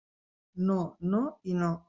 No, no i no.